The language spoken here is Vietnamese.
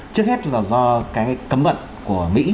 trước hết là do cái cấm bận của mỹ